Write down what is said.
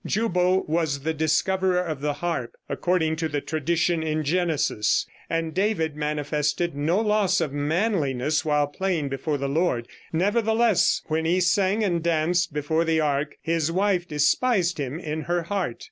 Jubal was the discoverer of the harp, according to the tradition in Genesis, and David manifested no loss of manliness while playing before the Lord. Nevertheless when he sang and danced before the ark his wife despised him in her heart.